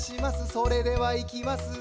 それではいきます